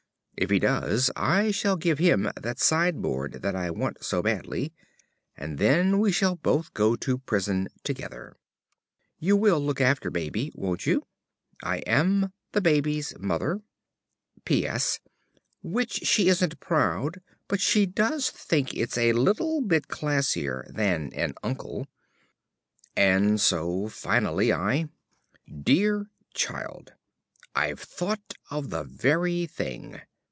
If he does, I shall give him that sideboard that I want so badly, and then we shall both go to prison together. You will look after Baby, won't you? I am, ~The Baby's Mother.~ P. S. Which she isn't proud, but does think it's a little bit classier than an uncle. And so finally, I: Dear Child, I've thought of the very thing.